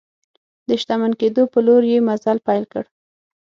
د شتمن کېدو په لور یې مزل پیل کړ.